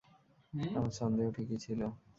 আমার সন্দেহ ঠিকই ছিল।